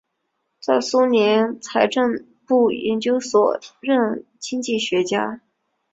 在苏联财政部研究所任经济学家。